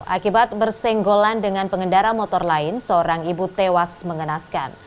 akibat bersenggolan dengan pengendara motor lain seorang ibu tewas mengenaskan